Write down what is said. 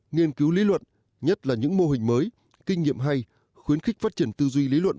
nghiên cứu lý luận nhất là những mô hình mới kinh nghiệm hay khuyến khích phát triển tư duy lý luận